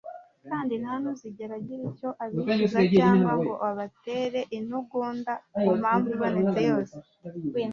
kandi nta n'uzigera agira icyo abishyuza cyangwa ngo abatere intugunda ku mpamvu ibonetse yose